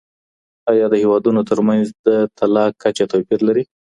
آیا د هیوادونو ترمنځ د طلاق کچه توپیر لري؟